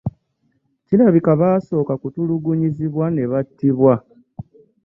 Kirabika basooka kutulugunyizibwa ne battibwa.